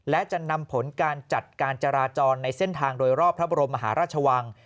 และจะนำผลการจัดการจราจรในเส้นทางโดยรอบพระบรมมหาราชวัง